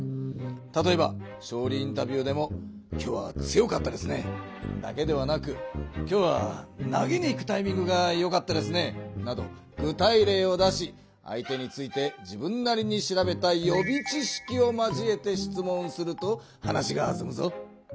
たとえば勝りインタビューでも「今日は強かったですね」だけではなく「今日は投げにいくタイミングがよかったですね」など具体れいを出し相手について自分なりに調べた予備知識を交えて質問すると話がはずむぞ。